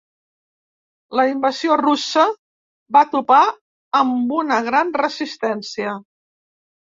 La invasió russa va topar amb una gran resistència.